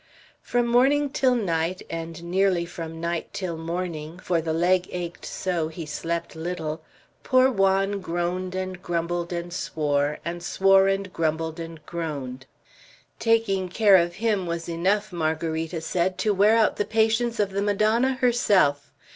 From morning till night, and nearly from night till morning, for the leg ached so he slept little, poor Juan groaned and grumbled and swore, and swore and grumbled and groaned. Taking care of him was enough, Margarita said, to wear out the patience of the Madonna herself.